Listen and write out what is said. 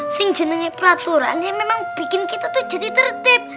sehingga peraturan yang bikin kita tuh jadi tertib